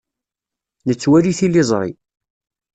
Nettwali tiliẓri.